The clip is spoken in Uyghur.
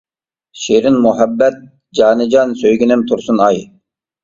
، شېرىن مۇھەببەت، جانىجان سۆيگىنىم تۇرسۇنئاي.